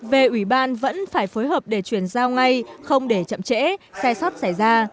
về ủy ban vẫn phải phối hợp để chuyển giao ngay không để chậm trễ sai sót xảy ra